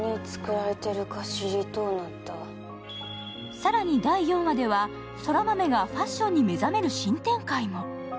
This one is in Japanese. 更に第４話では、空豆がファッションに目覚める新展開も。